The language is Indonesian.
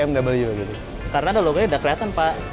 karena ada logonya udah kelihatan pak